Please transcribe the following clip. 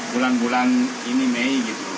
bulan bulan ini mei gitu